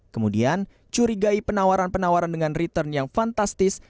kemudian curigai penawaran penawaran dengan return yang fantastis